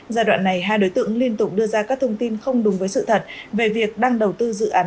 giai đoạn này hai đối tượng liên tục đưa ra các thông tin không đúng với sự thật về việc đang đầu tư dự án